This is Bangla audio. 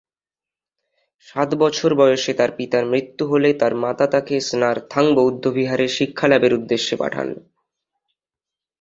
সাত বছর বয়সে তার পিতার মৃত্যু হলে তার মাতা তাকে স্নার-থাং বৌদ্ধবিহারে শিক্ষালাভের উদ্দেশ্যে পাঠান।